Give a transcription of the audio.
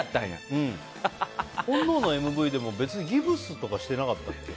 「本能」のＭＶでも別にギプスとかしてなかったんだっけ。